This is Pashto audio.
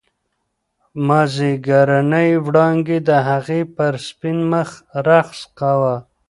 مازیګرنۍ وړانګې د هغې پر سپین مخ رقص کاوه.